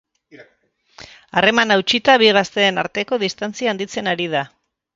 Harremana hautsita, bi gazteen arteko distantzia handitzen ari da.